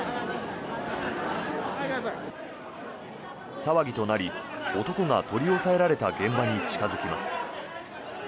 騒ぎとなり男が取り押さえられた現場に近付きます。